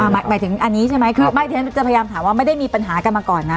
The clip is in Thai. หมายถึงอันนี้ใช่ไหมคือไม่ฉันจะพยายามถามว่าไม่ได้มีปัญหากันมาก่อนนะ